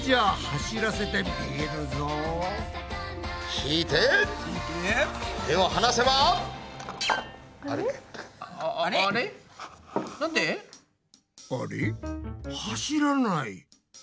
走らない。